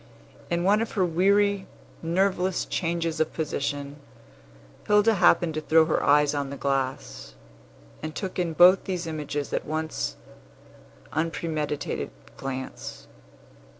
In one of her weary, nerveless changes of position, Hilda happened to throw her eyes on the glass, and took in both these images at one unpremeditated glance.